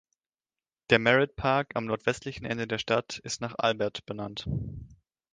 Der Merritt Park am nordwestlichen Ende der Stadt ist nach Albert benannt.